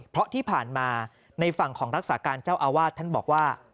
เพราะที่ผ่านมาในฝั่งของรักษาการเจ้าอาวาสท่านบอกว่า